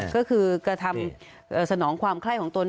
ก็คือกระทำสนองความไข้ของตน